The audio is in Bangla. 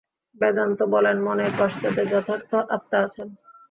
বেদান্ত বলেন, মনের পশ্চাতে যথার্থ আত্মা আছেন।